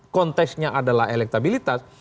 konteksnya adalah elektabilitas